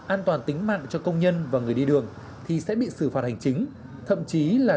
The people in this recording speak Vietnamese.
an toàn tính mạng cho công nhân và người đi đường thì sẽ bị xử phạt hành chính